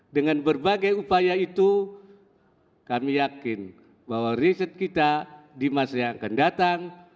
dengan berbagai upaya itu kami yakin bahwa riset kita di masa yang akan datang